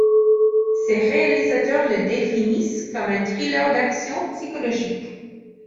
Ses réalisateurs le définissent comme un thriller d'action psychologique.